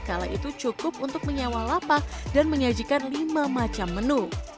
kala itu cukup untuk menyewa lapak dan menyajikan lima macam menu